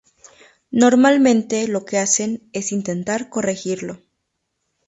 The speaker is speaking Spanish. Normalmente lo que hacen es intentar corregirlo.